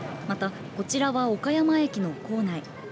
また、こちらは岡山駅の構内。